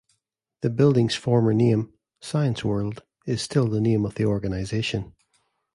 The building's former name, Science World, is still the name of the organization.